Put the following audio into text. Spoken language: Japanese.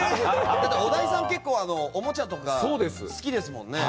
小田井さん、結構おもちゃとか好きですもんね。